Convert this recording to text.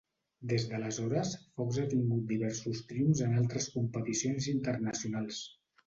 Des d'aleshores, Fox ha tingut diversos triomfs en altres competicions internacionals.